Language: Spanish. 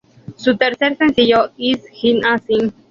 Su tercer sencillo, "Is it a Sin?